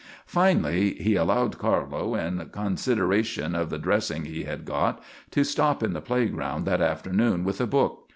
Finally, he allowed Carlo, in consideration of the dressing he had got, to stop in the playground that afternoon with a book.